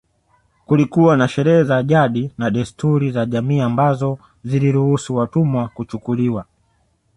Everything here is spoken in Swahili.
Kulikuwa na sheria za jadi na desturi za jamii ambazo ziliruhusu watumwa kuchukuliwa